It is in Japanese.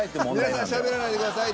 皆さんしゃべらないでください。